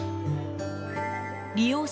利用者